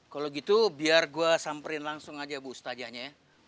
kalo gitu biar gue samperin langsung aja ibu ustadzahnya ya